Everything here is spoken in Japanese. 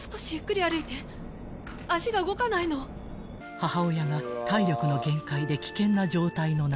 ［母親が体力の限界で危険な状態の中］